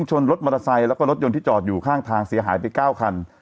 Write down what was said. ชนรถมอเตอร์ไซค์แล้วก็รถยนต์ที่จอดอยู่ข้างทางเสียหายไป๙คัน